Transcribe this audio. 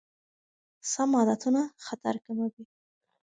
سم عادتونه خطر کموي.